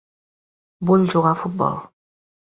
Vull jugar a futbol.